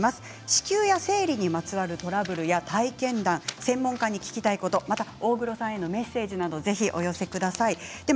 子宮や生理にまつわるトラブルや体験談専門家に聞きたいこと大黒さんへのメッセージなどぜひお寄せください。